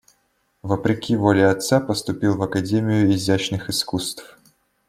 Вопреки воле отца поступил в академию изящных искусств.